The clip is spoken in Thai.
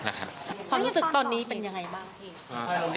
ความรู้สึกตอนนี้เป็นอย่างไรบ้างครับ